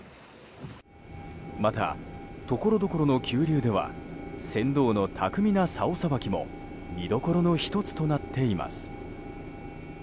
また、ところどころの急流では船頭の巧みなさおさばきも見どころの１つとなっています。